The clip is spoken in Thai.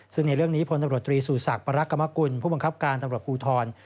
ซึ่งในเรื่องนี้พลตำรวจตรีสู่ศักดิ์ปรกรรมกุลผู้บังคับการตำรวจภูทร